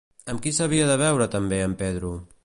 Amb qui s'havia de veure també el Pedro?